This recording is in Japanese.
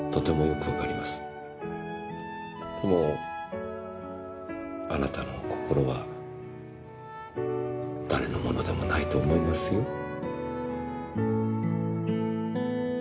でもあなたの心は誰のものでもないと思いますよ。